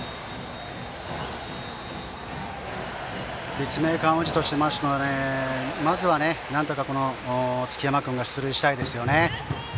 立命館宇治としてはまずはなんとか築山君が出塁したいですよね。